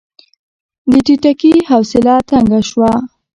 د ټيټکي حوصله تنګه شوه.